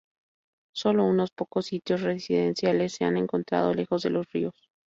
Sólo unos pocos sitios residenciales se han encontrado lejos de los ríos.